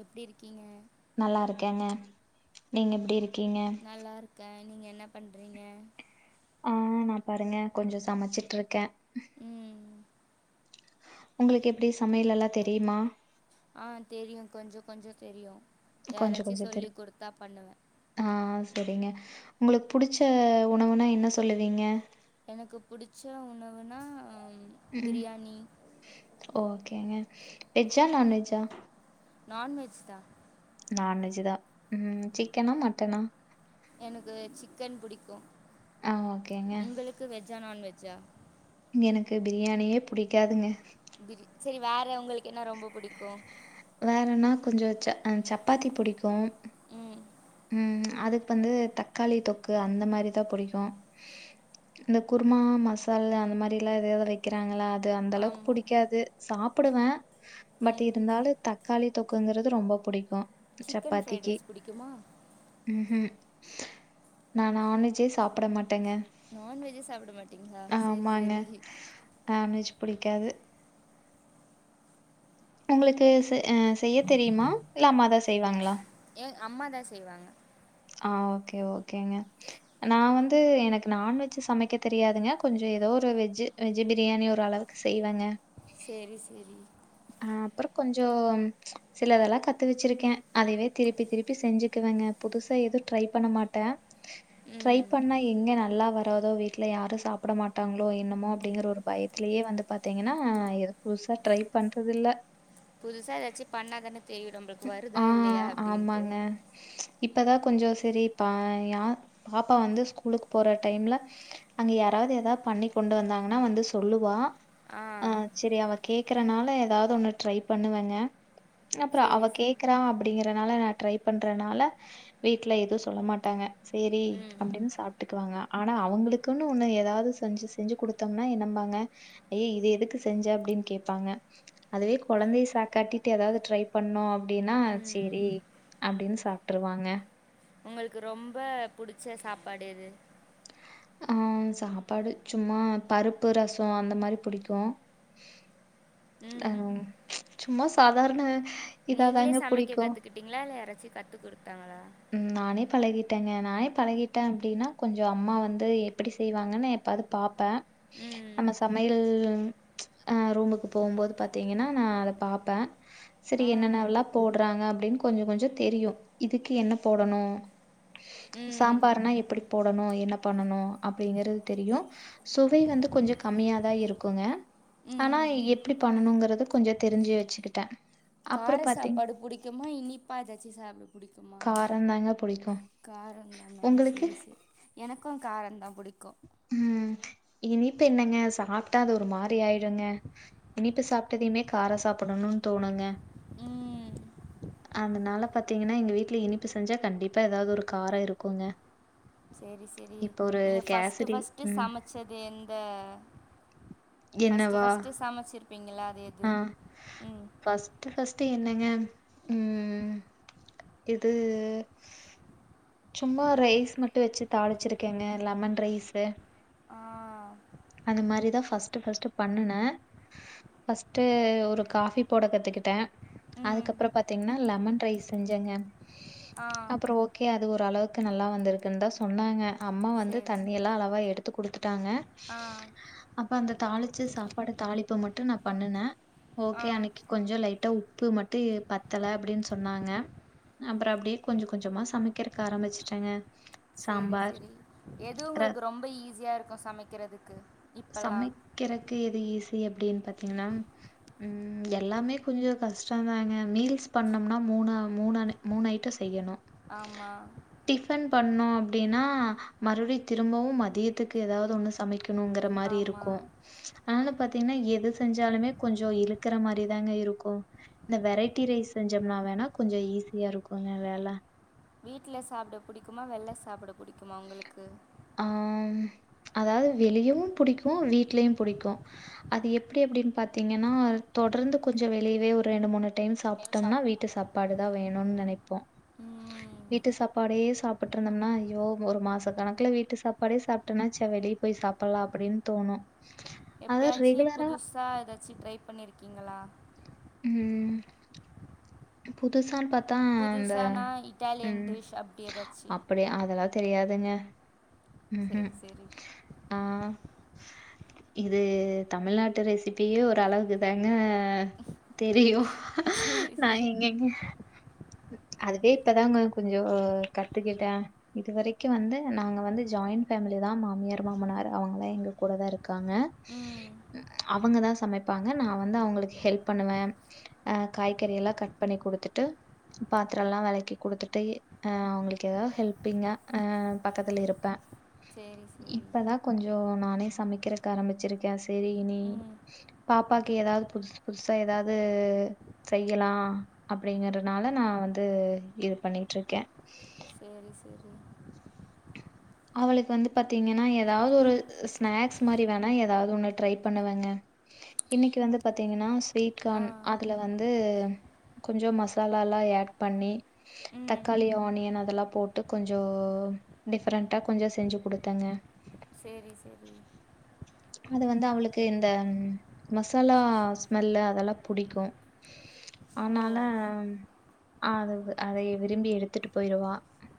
எப்டி இருக்கீங்க நல்லா இருக்கேங்க நீங்க எப்டி இருக்க நல்லா இருக்கே நீங்க என்ன பண்றீங்க அஹ் நா பாருங்க கொஞ்சம் சமச்சிட்டு இருக்கே ம் உங்களுக்கு எப்டி சமையலெல்லா தெரியுமா அஹ் தெரியும் கொஞ்ச கொஞ்ச தெரியும் கொஞ்சோ யாராச்சு கொஞ்சோ சொல்லி குடுத்தா பண்ணுவே சேரிங்க உங்களுக்கு புடிச்ச உணவுனா என்ன சொல்லுவீங்க எனக்கு புடிச்ச உணவுனா ம் ஓகேங்க வெஜ் ஆ நான்வெஜ் ஆ நான்வெஜ் தான் நான்வெஜ் தான் ம் சிக்கனா மட்டனா எனக்கு சிக்கன் புடிக்கும் ஆ ஓகேங்க உங்களுக்கு வெஜ்ஆ நான்வெஜ் ஆ எனக்கு பிரியாணியே புடிக்காதுங்க சேரி வேற உங்களுக்கு என்ன ரொம்ப புடிக்கும் வேறன்னா கொஞ்சம் சப்பாத்தி புடிக்கும் உம் ம் அதுக்கு வந்து தக்காளி தொக்கு அந்த மாதிரிதான் புடிக்கும் இந்த குருமா மசாலா அந்த மாதிரி எல்லாம் எதாவது வைக்கிறாங்களா அது அந்த அளவுக்கு ஆமா பிடிக்காது சாப்பிடுவேன் பட் ம் இருந்தாலும் தக்காளி தொக்குங்கிறது ரொம்ப பிடிக்கும் சிக்கன் ஃப்ரைடு ரைஸ் பிடிக்குமா உஹும் நா நான்வெஜ்யே சாப்பிட மாட் டேங்க நான்வெஜ்ஜே சாப்ட மாட்டீங்களா சேரி ஆமாங்க சேரி நான்வெஜ் பிடிக்காது உங்களுக்கு செய்ய தெரியுமா இல்லா அம்மாதா செய்வாங்களா அம்மாதா செய்வாங்க ஆ ஓகே ஓகேங்க நா வந்து எனக்கு நான்வெஜ் சமைக்க தெரியாதுங்க கொஞ்ச ஏதோ ஒரு வெஜ்ஜீ வெஜ்ஜி பிரியாணி ஒர் அளவுக்கு செய்வங்க சேரி சேரி ஆ அப்றோ கொஞ்ச சிலதெல்லா கத்து வச்சிருக்கே அதுவே திருப்பி திருப்பி செஞ்சுக்குவே இல்லங்க புதுசா எதுவ் ட்ரை பண்ண மாட்டே ட்ரை ம் பண்ணா எங்க நல்லா வரு வீட்ல யாரு சாப்ட மாட்டாங்களோ என்னமோ அப்டிங்கிற ஒரு பயத்திலேயே வந்து பாத்தீங்கன்னா எதுவ் புதுசா ட்ரை பண்றது இல்ல புதுசா எதாச்சு பண்ணாதான தெரியு நம்ளுக்கு வருதா இல்லையா அப்டின்ட்டு இப்போ தா கொஞ்ச சரி பா யா பாப்பா வந்து ஸ்கூலுக்கு போற டைம்ல அங்க யார வது எதாது பண்ணி கொண்டு வந்தாங்கன்னா வந்து சொல்லுவா ஆ கேக்கறனால ஏதாவது ஒண்ணு ட்ரை பண்ணுவேங்க அப்புற அவ சேரி சேரி கேக்கறா அப்படிங்கறனால நா ட்ரை பண்றனால வீட்ல எது சொல்ல மாட்டாங்க சேரி ம் அப்டின்னு சாப்ட்டுக்குவாங்க ஆனா அவங்களுக்குன்னு ஒன்னு ஏதாவது செஞ்சி செஞ்சி கொடுத்தோம்னா என்னம்பாங்க ஐய இது எதுக்கு செஞ்ச அப்டி கேட்பாங்க அதுவே குழந்தைய சாக்காட்டிட்டு ஏதாவது ட்ரை பண்ணோ அப்டின்னா ம் சேரி அப்டின்னு சாப்ட்டுருவாங்க உங்களுக்கு ரொம்ப புடிச்ச சாப்பாடு எது ஆ சாப்பாடு சும்மா பருப்பு ரச அந்த மாரி புடிக்கு ம் சும்மா சாதாரண நீங்களே இதாதாங்க சமைக்க புடிக்கு கத்துக்கிட்டீங்களா இல்ல யாராச்சு கத்துக்கொடுத்தங்கலா ம் நானே பழகிட்டேங்க நானே பழகிட்டே அப்டின்னா கொஞ்ச அம்மா வந்து எப்டி செய்வாங்கன்னு பாத் பாப்பே ம் நம்ம சமையல் ஆ ரூமுக்கு போம்போது பாத்தீங்கன்னா நா அத பாப்பே சரி ஆ என்னனவெல்லா போட்றா அப்டின்னு கொஞ்ச கொஞ்ச தெரியு இதுக்கு என்ன போடணு ம் சாம்பார்னா எப்படி போடணு என்ன பண்ணணு அப்டிங்கறது தெரியு சுவை வந்து கொ கொஞ்ச கம்மியாதா இருக்குங்க ஆனா ம் எப்டி பண்ணணுங்கறத கொஞ்ச தெரிஞ்சு வச்சுக்கிட்டே கார சாப்பாடு புடிக்குமா இனிப்பா எதாச்சு சாப்ட புடிக் காரம் தாங்க புடிக்கும். காரம் தானா உங்களுக்கு? சரி சரி எனக்கு கார தா புடிக்கு ம் இனிப்பு என்னங்க சாப்ட்டா அது ஒரு மாரி ஆயிடுங்க இனிப்பு சாப்ட்டதையுமே கார சாப்படனு சாப்பிடணும் தோணுங்க ம் அந்தனால பாத்தீங்கன்னா எங்க வீட்ல இனிப்பு செஞ்சா கண்டிப்பா எதாது ஒரு கார இருக்குங்க சேரி சேரி இப்ப ஒரு நீங்க ஃபஸ்ட்டு கேசரி ஃபஸ்ட்டு ம் சமச்சது எந்த ஃபஸ்ட்டு என்னவா ஃபஸ்ட்டு சமச்சிரு ப்பிங்கள அது எது ம் டு என்னங்க ம் இது சும்மா ரைஸ் மட்டு வச்சு தாளிச்சிருக்கங்க லெமன் ரைசு ஆ அது மாரி தா ஃபஸ்ட்டு ஃபஸ்ட்டு பன்னுன ஃபஸ்ட்டு ஒரு காஃபி போட கத்துகிட்ட ம் அதுக்கப்பற பாத்தீங்கனா லெமன் ரைஸ் செஞ்சங்க ஆ அப்றோ ஓகே அது ஓரளவுக்கு நல்லா வந்துருக்குன்னு தா சொன்னாங்க அம்மா வந்து சரி தண்ணியெல்லா அளவா எடுத்து குடுத் டுத்துட்டாங்க ஆ அப்ப அந்த தாளிச்ச சாப்பாடு தாளிப்ப மட்டு நா பண்ணுன ஆ ஓகே அன்னைக் கொஞ்ச லைட்டா உப்பு மட்டு பத்தல அப்டின்னு சொன்னாங்க அப்றோ அப்டியே கொஞ்ச கொஞ்சமா சமக்கிறதுகு ஆரம்பிச்சிட்டங்க கேசரி எது உங்களுக்கு ரொம்ப ஈஸியா இருக்கு சமைக்கிறதுக்கு இப்போல்லாம் சமைக்கிறக்கு எது ஈஸ் இது எப்டினு பாத்தீங்கனம் உம் எல்லாமே கொஞ்சோ கஷ்டோ தாங்க மீல்ஸ் பண்ணம்னா மு மூணாமூணானு மூணு ஐட்டோ செய்யனு ஆமாம் டிபன் பண்ணோ அப்டினா மறுவடி திரும்பவு மதியத்துக்கு ஏதாது ஒண்ணு சமைக்கணுக ட்ட மாரி இருக்கு ஆமாம் ஆனல பாத்தீங்னா எது செஞ்சாலுமே கொஞ்சோ இருக்கற மாரிதாங்க இருக்கு இந்த வெரைட்டி ரைஸ் செஞ்சோம்னா வேணா கொஞ்சோ ஈஸியா இருக்குங்க வேல வீட்ல சாப்பட புடிக்குமா வெள்ள சாப்பட புடிக்குமா உங்களுக்கு ஆம் அதாவ்து வெளியவு புடிக்கு வீட்லயு புடிக்கு அது எப்டி அப்டினு பாத்தீங்கன்னால் தோ தொடர்ந்து கொஞ்சோ வெளியவே ஒரு ரெண்டு மூணு டைம் ஏன் சாப்டம்னா சாப் வீட்டு சாப்பாடு தா வேணுனு நெனைப்போ ம் வீட்டு சாப்பாடயே சாப்புட்டு இருந்தம்னா ஐயோ ஒரு மாச கணக்குல வீட் ட்டு சாப்பாடே சாப்டனா சே வெளிய போய் சாப்டலா அப்டினு தோணு எப்யாச்சு புதுசா ஏதாச்சு ட்ரை பண்ணிருக்கீங்களா உம் புதுசா னு பாத் தா அந்த புதுசாக நான் இட்டாலியன் ம் டிஷ் அப்படி ஏதாச்சும் அப்டி அதுலாவுத் தெரியாதுங்க சேரி ம்ஹ்ம். சேரி ஆ இது தமிழ்நாட்டு ரெசிபியு ஒரு அளவுக்குதாங்க தெரியு சரி நா சரி எங்கங்க அதுவே இப்பதாங்க கொஞ்சோ கத்துக்கிட்டே இது வரைக்கு வந்து நாங்க வந்து ஜாயின் பேமிலிதா மாமியார் மாமனார் அவுங்களா எங்க கூட தா இருக்காங்க ம் அவுங்க தா சமை பாங்க நா வந்து அவுங்களுக்கு ஹெல்ப் பண்ணுவே ஆ காய்கறியெல்லா கட் பண்ணி குடுத்துட்டு பாத்தரலா வெளக்கி குடுத்துட்டு அஹ் அவுங்களுக்கு ஏதாவது ஹெல்பிங்கா அஹ் பக்கத்துல இருப்பே சேரி சேரி கொஞ்சோ நானே சமைக்கிறதுகு ஆரம்பிச்சிருக்கே சேரி இனி ம் பாப்பாக்கு ஏதாவ்து புதுசு புதுஸ் சா எதாது செய்யலா அப்டிங்கிறனால நா வந்து இது பண்ணிட்ருக்கே சேரி சேரி அவளுக்கு வந்து பாத்தீங்கனா ஏதாவது ஒரு ஸ்நாக்ஸ் மாரி வேணா ஏதாவது ஒண்ணு ட்ரை பண்ணுவங்க இன்னைக்கு வந்து பாத்தீங்கனா ஸ்வீட் ஆ கான் அதுல வந்து கொஞ்சோ மசாலல்லா யட் பண்ணி ம் தக்காளி ஆனியன் அதெல்லா போட்டு கொஞ்சோ டிஃப் ப்ரெண்டா கொஞ்சோ செஞ்சு குடுத்தேங்க சேரி சேரி அது வந்து அவளுக்கு இந்த மசாலா ஸ்மெல்லு அதெல்லா புடிக்கு ஓ ஆனால ஆ அது அதயே விரும்பி எடுத்துட்டு போயிருவா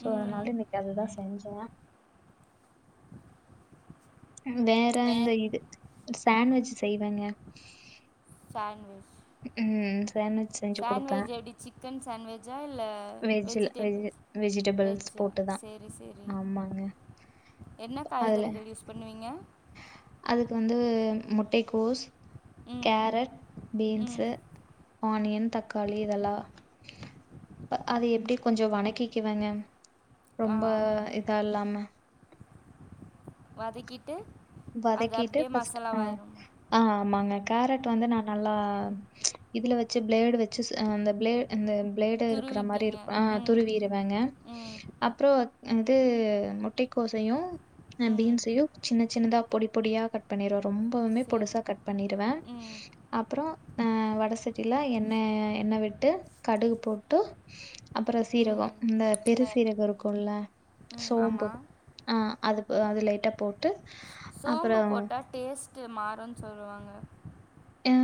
சோ அதனால ம் இன்னைக்கு அதுதா செஞ்ஜே வேற இந்த இது சாண்ட்விச் செய்வேங்க சாண்ட்விச் ம் உம் சேண்ட்வெஜ் சாண்ட்வெஜ் எப்டி சிக்கன் சாண்ட்வெஜா இல்ல வெஜ்ல வெஜ் வெஜிடேபிள்ஸ் வெஜிடபிள்ஸ் வெஜ்ஜா போட்டுதா சேரி சேரி ஆமாங்க என்ன அதுல காய்கறிகள் யூஸ் பண்ணுவீங்க அதுக்கு வந்து முட்டை கோஸ் ம் கேரட் பீன்ஸ்சு ம் ஆனியன் தக்காளி இதெல்லா அ அது எப்டி கொஞ்சோ வணக்கிக்குவேங்க ஆ ரொம்ப இதா இல்லாம வதக்கி வதக்கிட்டு பர்ஸ்ட் அ ஆமாங்கா காரட் வந்து நா நல்லா இதுல வெச்சு பிளேடு வெச்சு ம் இந்த பிளே பிளேடு இருக்கிற மாறி துருவிப்பீங்க இருக்கு அ ம் துருவிறுவங்க ம் அப்றோ என்னது முட்டைக்கோசையு ம் பீன்ஸையு சின்ன சின்னதா பொடி பொடியா கட் பண்ணிருவே ரொம்பவுமே சரி பொடுசா கட் பண்ணிருவே ம் அப்றோ அ வட சட்டியில எண்ணெய எண்ணெய விட்டு கடுகு போட்டு அப்றோ சீரகோ ம் இந்த பெருசீரகோ இருக்குல்ல ம் சோம்பு ஆமாம் அ அது அது லைட்டா போட்டு சோம்பு அப்புறம் போட்டா டேஸ்ட்டு மாறுன்னு சொல்லுவாங்க அ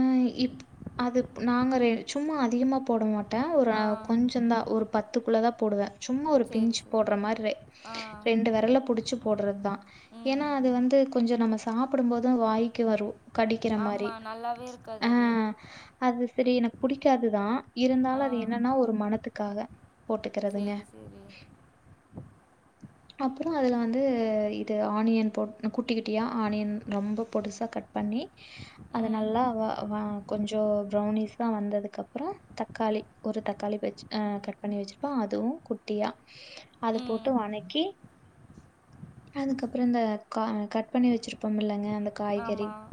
இப் அது நாங்க சும்மா அதிகமாக போட மாட்டோ ஒரு ஆ கொஞ்சந்தா ஒரு பத்துக்குள்ள தா போடுவே சும்மா ஒரு சரி பிஞ்சு சரி போட்ற மாறி ஆ ரெண்டு விரல புடிச்சு போட்றது தா ஏன்னா ம் அது வந்து கொஞ்ச நம்ம சாப்பிடும் போது வாய்கு வரு கடிக்கிற மாரி [unintelligible] அது செரி எனக்கு புடிக்காதுதா இருந்தாலு ஆ அது என்னன்னா ஒரு மனத்துக்காக போட்டுக்கறதுங்க சரி சரி அப்றோ அதுல வந்து இது ஆனியன் போட் குட்டி குட்டியா ஆனியன் ரொம்ப பொடுசா கட் பண்ணி அது ம் நல்லா வ வ கொஞ்சோ பிரவுனிஸ்சா வந்ததுக்கு அப்றோ தக்கா ளி ஒரு தக்காளி வெச் அ கட் பண்ணி வெச்சுருப்பே அதுவு குட்டியா அது ம் போட்டு வணக் கி அதுக்கப்றோ இந்த கட் பண்ணி வெச்சிருப்போம்ல்லங்க அந்த காய்கறி ஆமாம்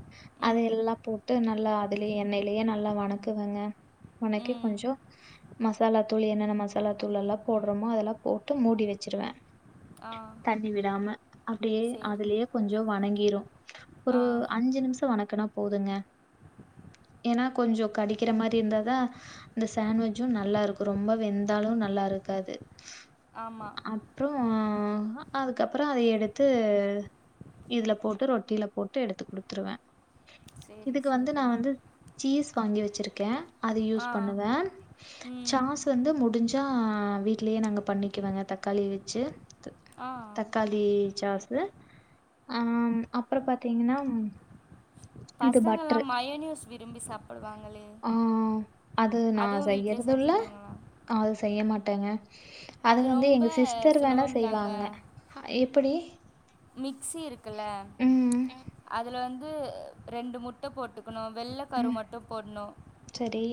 அது ம் எல்லா போட்டு நல்லா அதுலயே எண்ணெயிலயே நல்லா வணக்குவங்க வணக்கி ம் கொஞ்சோ மசாலா தூள் என்னென்ன மசாலா தூள் எல்லா போட்றமோ அதெல்லா போட்டு மூடி வெச் வெச்சிருவ ஆ தண்ணி விடாம அப்டியே சரி அதுலயே கொஞ்சோ கொஞ்சோ வணங்கிரும் ஒரு ஆ அஞ்சு நிமிஷோ வணக்குன்னா போதுங்க ஏன்னா கொஞ்சோ கடிக்கிற மாரி இருந்தாதா அந்த சாண்ட்வெஜ்சும நல்லா இருக்கு ரொம்ப வெந்தாலு நல்லா இருக் க்காது ஆமா அ அதுக்கப்றோ அத எடுத்து இதுல போட்டு ரொட்டில போட்டு எடுத்து குடுத்துருவே சரி இதுக்கு வந்து நா சரி வந்து சீஸ் வாங்கி வெச்சிருக்கே அத யூஸ் ஆ பண்ணுவே ம் சாஸ் வந்து முடிஞ்ச சா வீட்லயே நாங்க பண்ணிக்குவங்க தக்காளி வெச்சு ஆ தக்காளி சாஸ் அ அப்றோ பாத்தீங்கன்னா இது பட்ரு பசங்கல்லா மயோனூஸ் விரும்பி சாப்டுவாங்களே ஆ அதுவு வீட்ல மே செஞ்சுருவீங்களா அ அது செய்ய மாட் அது ரொம்ப [unintelligible] வேணா சுலபம் செய்வாங்க எப்டி மிக்சி இருக்குல்ல ம் அதுல வந்து ரெண்டு முட்ட போட்டு கனு வெள்ள கரு ம். மட்டு போட்ணு சரி.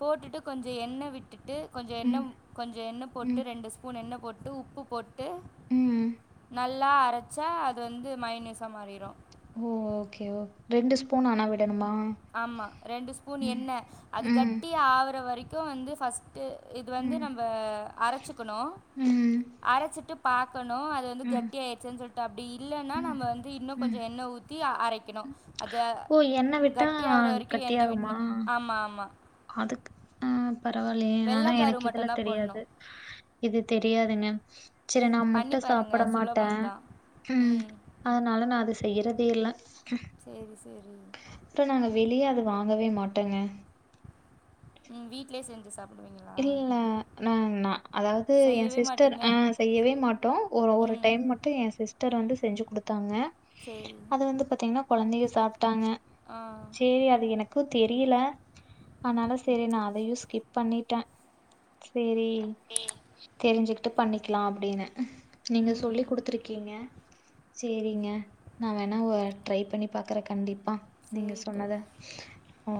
போட்டுட்டு கொஞ்சோ எண்ண விட் விட்டுட்டு கொஞ்சோ எண்ண ம், கொஞ்சோ எண்ண போட்டு ம், ரெண்டு ஸ்பூன் எண்ண போட்டு உப்பு போட்டு ம். நல்லா அரச்சா அது வந்து மையோனிசா மாறிரு ஓ ஓகே ஓ ரெண்டு ஸ்பூன் எண்ண விட ஆமா ரெண்டு ஸ்பூன் எண்ண அது ம், கட்டி ஆவுற வரைக்கு வந்து ஃபஸ்டு இது வந்து ம், நம்ப அரச்சிக்கணு ம், அரச்சிட்டு பா கணு அது வந்து ம், கட்டி ஆயிடுச்சுனு சொல்ட்டு அப்டி இல்லைன்னா நம்ம ம், வந்து ம். இன்னுகொஞ்சோ எண்ண ஊத்தி அரைக்கணு அது ஓ! எண்ணெய் விட்டா கட்டி ஆகுற வரைக்கு எண்ண விடணு ஆமா ஆமா அதுக் அ பரவாயில்லயே வெள்ளைக்கரு எனக்கு இதெல்லா மட்டும்தான் தெரியாது போடணும் இது தெரியாதுங்க செரி நா பண்ணி முட்ட சாப்ட பாருங்கள் மாட்ட சுலபம் தான் ம் அதனால நா அது செய்யிறதே இல்ல சரி சரி [unintelligible] நாங்க வெளிய அது வாங்கவே மாட்டோங்க ம் வீட்லேயே செஞ்சு சாப் இல்ல நா நா அதாவது என் செய்யவே சிஸ்டர் மாட்டீங்க ஆஹ் செய்யவே மாட்டோ ஒரு ஒரு ம் டைம் நேத்து மட்டு எ சிஸ்டர் வந்து செஞ்சு குடுத்தாங்க சரி அது வந்து பாத்தீங்னா கொழந்தைங்க சாப் ட்டாங்க ஆ சேரி அது எனக்கு தெரியல அனால சேரி நா அதையு ஸ்கிப் பண்ணிட்டே சேரி தெரிஞ்சுகிட்டு பண்ணிக்கிலா அப்டின்னு நீங்க சொல்லி ம் குடுத்துருக்கீங்க சேரிங்க நா வேணா ஒ ட்ரை பண்ணி பாக்குறே கண்டிப்பா நீங்க சரி சொன்னத தோழி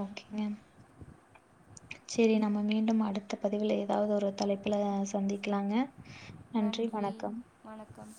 ம் சேரி நம்ம மீண்டும் அடுத்த பதிவுல ஏதாவது ஒரு தலைப்புல சந்திக்கலாங்க நன்றி வணக்கம்